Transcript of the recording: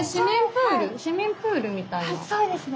そうです。